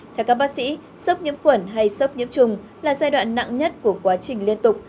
theo các bác sĩ sốc nhiễm khuẩn hay sốc nhiễm trùng là giai đoạn nặng nhất của quá trình liên tục